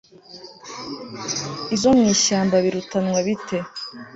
Izo mu ishyamba birutanwa bite